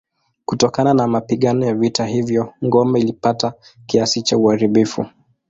Kutokana na mapigano ya vita hivyo ngome ilipata kiasi cha uharibifu.